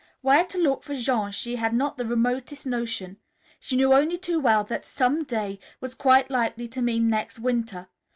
Where to look for Jean she had not the remotest notion. She knew only too well that "som day" was quite likely to mean next winter.